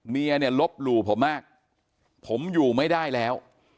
เมียเนี่ยลบหลู่ผมมากผมอยู่ไม่ได้แล้ว